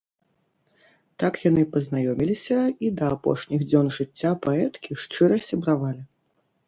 Так яны пазнаёміліся і да апошніх дзён жыцця паэткі шчыра сябравалі.